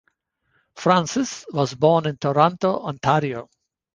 Francis was born in Toronto, Ontario.